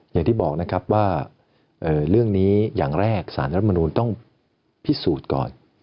อย่างที่บอกนะครับว่าเรื่องนี้อย่างแรกสารรัฐมนูลต้องพิสูจน์ก่อน